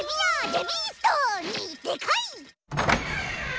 デビースト！にデカい！